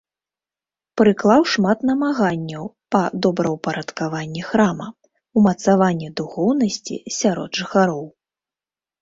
Прыклаў шмат намаганняў па добраўпарадкаванні храма, умацаванні духоўнасці сярод жыхароў.